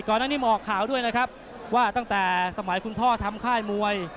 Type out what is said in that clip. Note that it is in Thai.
อันนี้มาออกข่าวด้วยนะครับว่าตั้งแต่สมัยคุณพ่อทำค่ายมวย